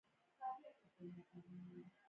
ایا زه باید خیاطۍ وکړم؟